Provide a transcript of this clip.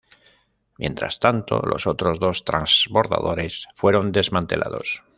Mientras tanto, los otros dos transbordadores fueron desmantelados.